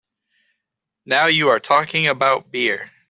Now you are talking about beer!